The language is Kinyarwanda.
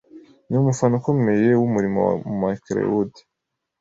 ni umufana ukomeye wumurimo wa Macleod